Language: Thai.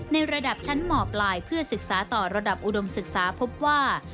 ในระดับชั้นหมอปลายเพื่อศึกษาต่อระดับอุดมศึกษาพบว่า